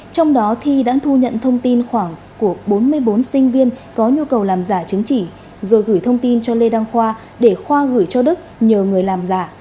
trong đó thi đã thu nhận thông tin khoảng của bốn mươi bốn sinh viên có nhu cầu làm giả chứng chỉ rồi gửi thông tin cho lê đăng khoa để khoa gửi cho đức nhờ người làm giả